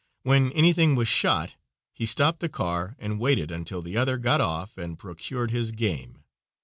When anything was shot he stopped the car and waited until the other got off and procured his game.